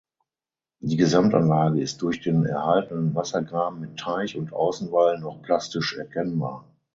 Die Gesamtanlage ist durch den erhaltenen Wassergraben mit Teich und Außenwall noch plastisch erkennbar.